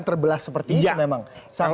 terbelas seperti itu memang iya